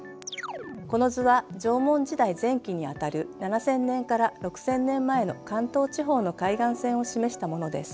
この図は縄文時代前期に当たる７，０００年から６，０００年前の関東地方の海岸線を示したものです。